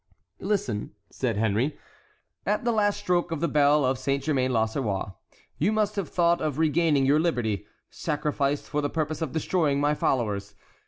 "Listen," said Henry; "at the last stroke of the bell of Saint Germain l'Auxerrois you must have thought of regaining your liberty, sacrificed for the purpose of destroying my followers.